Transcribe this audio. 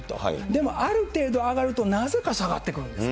でも、ある程度上がると、なぜか下がってくるんです。